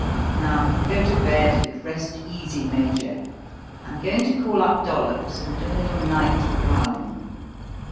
Now, go to bed and rest easy, Major. I'm going to call up Dollops and do a little night prowling.